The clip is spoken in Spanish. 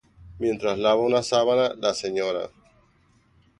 Mientras lava una sábana, la Sra.